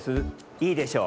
いいでしょう？